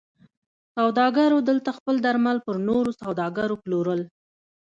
سوداګرو دلته خپل درمل پر نورو سوداګرو پلورل.